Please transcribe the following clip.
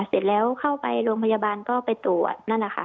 เสร็จแล้วเข้าไปโรงพยาบาลก็ไปตรวจนั่นนะคะ